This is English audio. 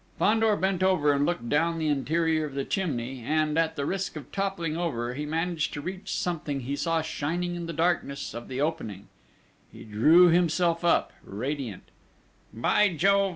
Fandor bent over and looked down the interior of the chimney; and, at the risk of toppling over, he managed to reach something he saw shining in the darkness of the opening; he drew himself up, radiant: "By Jove!